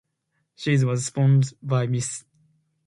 She was sponsored by Miss.